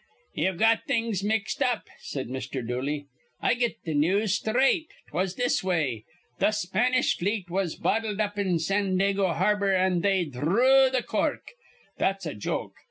"Ye've got things mixed up," said Mr. Dooley. "I get th' news sthraight. 'Twas this way. Th' Spanish fleet was bottled up in Sandago Harbor, an' they dhrew th' cork. That's a joke.